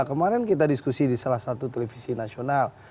kemarin kita diskusi di salah satu televisi nasional